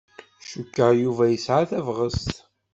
Cukkeɣ Yuba yesɛa tabɣest.